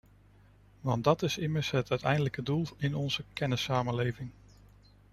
Want dat is immers het uiteindelijke doel in onze kennissamenleving.